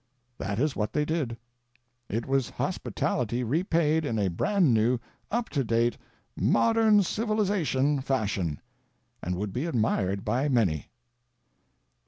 That is what they did. It was hospitality repaid in a brand new, up to date, Modern Civilization fashion, and would be admired by many.